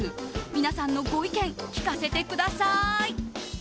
皆さんのご意見聞かせてください。